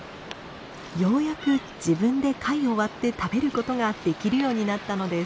ようやく自分で貝を割って食べることができるようになったのです。